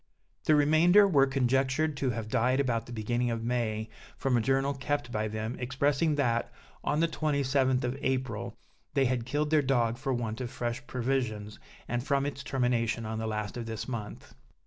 The remainder were conjectured to have died about the beginning of May, from a journal kept by them, expressing that, on the 27th of April, they had killed their dog for want of fresh provisions, and from its termination on the last of this month.